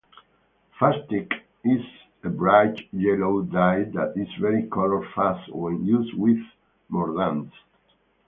Fustic is a bright yellow dye that is very color-fast when used with mordants.